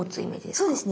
そうですね。